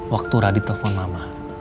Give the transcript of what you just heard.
waktu radit telpon mama